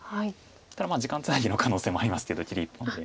ただ時間つなぎの可能性もありますけど切り１本で。